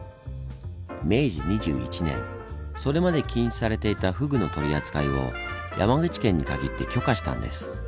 明治２１年それまで禁止されていたフグの取り扱いを山口県に限って許可したんです。